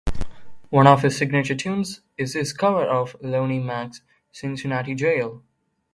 One of his signature tunes is his cover of Lonnie Mack's "Cincinnati Jail".